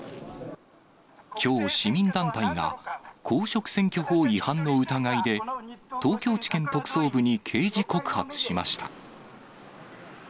きょう、市民団体が公職選挙法違反の疑いで、東京地検特捜部に刑事告発しました。